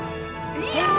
いや！